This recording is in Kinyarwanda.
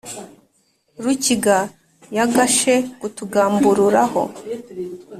rukiga yagashe kutugamburura ho.